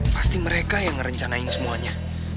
pasti mereka yang ngerencanain semuanya